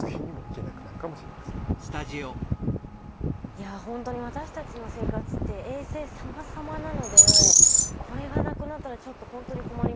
いやほんとに私たちの生活って衛星様々なのでこれがなくなったらちょっとほんとに困りますよね。